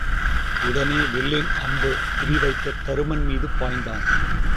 உடனே வில்லின் அம்பு குறி வைக்கத் தருமன் மீது பாய்ந்தான்.